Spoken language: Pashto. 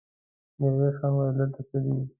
ميرويس خان وويل: دلته څه دي؟